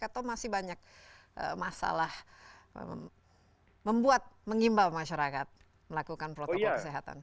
atau masih banyak masalah membuat mengimbau masyarakat melakukan protokol kesehatan